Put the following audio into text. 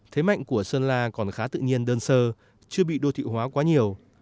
thế mạnh của sơn la còn khá tự nhiên đơn sơ chưa bị đô thị hóa quá nhiều